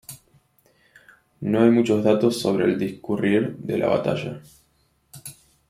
No hay muchos datos sobre el discurrir de la batalla.